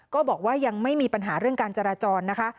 ก็บอกว่ายังไม่มีปัญหาเรื่องการจราจรนะคะ